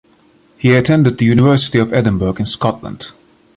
He attended the University of Edinburgh in Scotland.